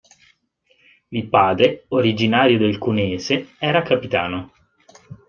Il padre, originario del cuneese, era capitano.